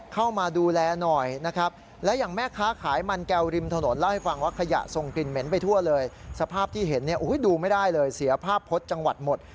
กองขยะมันเริ่มล้นออกมาแล้ว